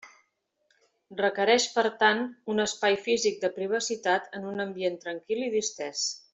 Requereix per tant, un espai físic de privacitat en un ambient tranquil i distès.